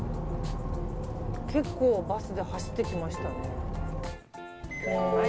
結構バスで走ってきました。